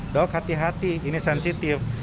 dok hati hati ini sensitif